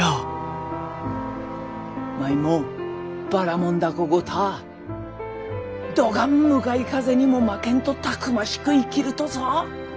舞もばらもん凧ごたぁどがん向かい風にも負けんとたくましく生きるとぞ。